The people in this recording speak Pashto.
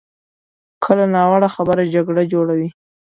کله ناوړه خبره جګړه جوړوي.